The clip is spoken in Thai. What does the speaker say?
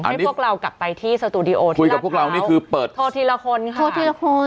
ให้พวกเรากลับไปที่สตูดิโอที่ลาดเท้าโทรทีละคนค่ะโทรทีละคน